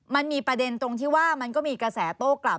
มันมีประเด็นตรงที่ว่ามันก็มีกระแสโต้กลับ